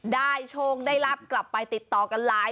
โชคได้รับกลับไปติดต่อกันหลาย